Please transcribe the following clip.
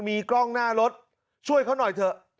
มีกล้องหน้ารถช่วยเขาหน่อยเถอะ